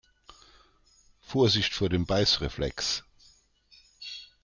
Vorsicht vor dem Beißreflex!